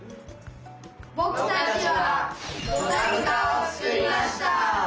僕たちはドタブカを作りました！